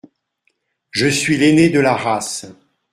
«Je suis l’aîné de la race.